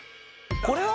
これは？